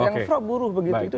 yang soal buruh begitu